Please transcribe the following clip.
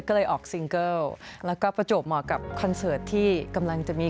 ก็เลยออกซิงเกิลแล้วก็ประจวบเหมาะกับคอนเสิร์ตที่กำลังจะมี